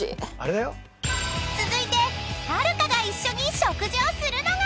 ［続いてはるかが一緒に食事をするのが］